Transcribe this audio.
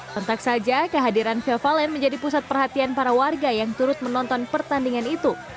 tentang saja kehadiran vivalen menjadi pusat perhatian para warga yang turut menonton pertandingan itu